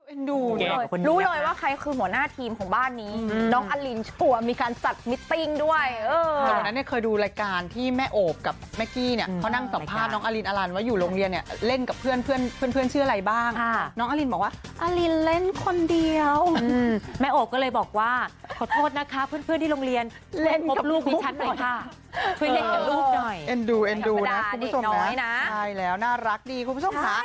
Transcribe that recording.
เอ็นดูเอ็นดูเอ็นดูนะครับคุณผู้ชมน่ารักดีครับคุณผู้ชม